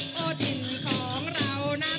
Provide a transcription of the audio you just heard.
แค่ตอนก่อนเขาหวัง